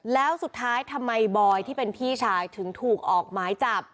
แล้วสุดท้ายทำไมบอยที่เป็นพี่ชายถึงถูกออกหมายจับ